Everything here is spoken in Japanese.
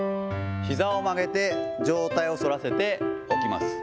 ひざを曲げて、上体を反らせて起きます。